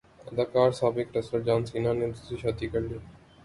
اداکار سابق wrestler John Cena نے دوسری شادی کرلی